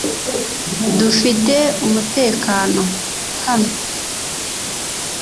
Dufite umutekano hano